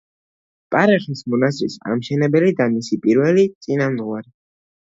პარეხის მონასტრის ამშენებელი და მისი პირველი წინამძღვარი.